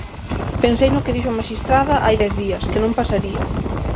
Pensei no que dixo a maxistrada hai dez días, que non pasaría.